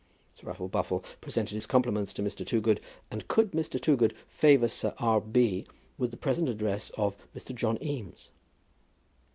Sir Raffle Buffle presented his compliments to Mr. Toogood, and could Mr. Toogood favour Sir R. B. with the present address of Mr. John Eames.